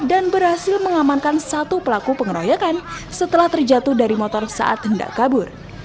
dan berhasil mengamankan satu pelaku pengeroyokan setelah terjatuh dari motor saat hendak kabur